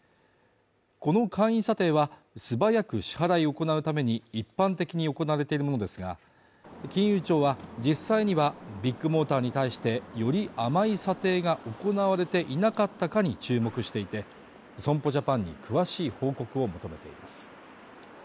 この簡易査定は素早く支払いを行うために一般的に行われているものですが金融庁は実際にはビッグモーターに対してより甘い査定が行われていなかったかに注目していて損保ジャパンに詳しい報告を求めています